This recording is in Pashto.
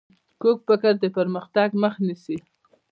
کوږ فکر د پرمختګ مخ نیسي